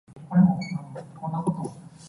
唔好留低啲蘇州屎俾人